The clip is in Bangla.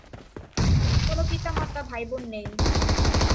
কোন পিতা-মাতা, ভাই-বোন নেই।